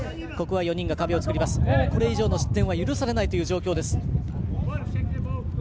これ以上の失点は許されない状況です。